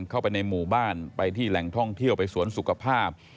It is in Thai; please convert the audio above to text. เข้าไปในหมู่บ้านไปที่แหล่งท่องเที่ยวไปสวนสุขภาพ